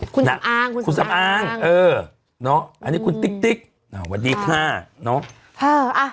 คุณแซมอ้างคุณติ๊กสวัสดีค่ะ